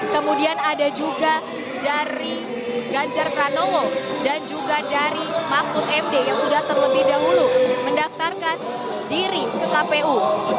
kemudian ada juga dari ganjar pranowo dan juga dari mahfud md yang sudah terlebih dahulu mendaftarkan diri ke kpu